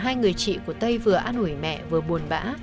hai người chị của tây vừa ăn hủy mẹ vừa buồn bã